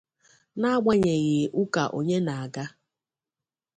na-agbanyeghị ụka onye na-aga